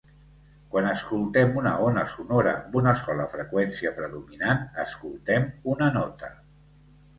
Quan escoltem una ona sonora amb una sola freqüència predominant escoltem una nota.